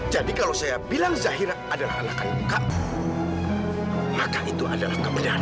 jadi kalau saya bilang zahira adalah anak kamu maka itu adalah kebenaran